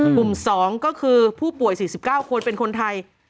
๒ก็คือผู้ป่วย๔๙คนเป็นคนไทย